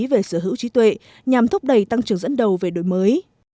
về sở hữu trí tuệ nhằm thúc đẩy tăng trưởng dẫn đầu về đổi mới